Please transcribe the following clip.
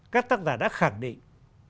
các tác giả đã khẳng định